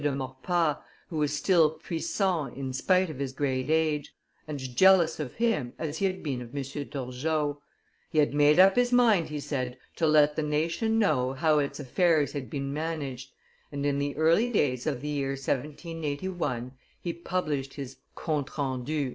de Maurepas, who was still puissant in spite of his great age, and jealous of him as he had been of M. Turgot; he had made up his mind, he said, to let the nation know how its affairs had been managed, and in the early days of the year 1781 he published his Compte rendu au roi.